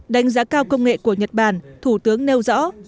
đánh giá cao công nghệ của nhật bản thủ tướng nêu rõ